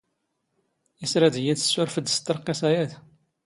ⵉⵙ ⵔⴰⴷ ⵉⵢⵉ ⵜⵙⵙⵓⵔⴼⴷ ⵙ ⵜⵜⵔⵇⵇⵉⵙⴰ ⴰⴷ?